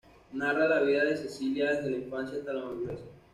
Narra la vida de Cecilia desde la infancia hasta la madurez.